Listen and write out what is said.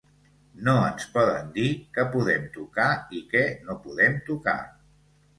No ens poden dir què podem tocar i què no podem tocar.